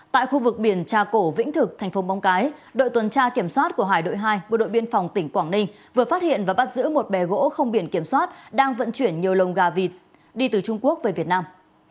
tại khu vực biển trà cổ vĩnh thực thành phố móng cái đội tuần tra kiểm soát của hải đội hai bộ đội biên phòng tỉnh quảng ninh vừa phát hiện và bắt giữ một bè gỗ không biển kiểm soát đang vận chuyển nhiều lồng gà vịt đi từ trung quốc về việt nam